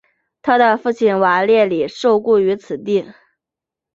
他的父亲瓦列里受雇于此地。